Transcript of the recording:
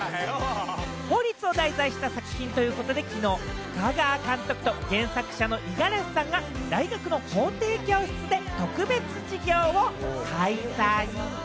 法律を題材とした作品ということで、きのう深川監督と、原作者の五十嵐さんが大学の法廷教室で特別授業を開催。